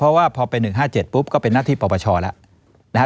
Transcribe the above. เพราะว่าพอไป๑๗ปุ๊บก็เป็นน่าที่พ่อประชาละ